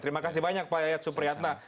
terima kasih banyak pak yayat supriyatna